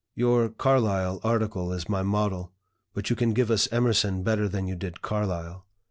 Your 'Carlyle' article is my model, but you can give us Emerson better than you did Carlyle.